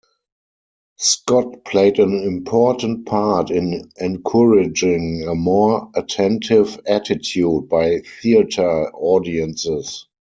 Scott played an important part in encouraging a more attentive attitude by theatre audiences.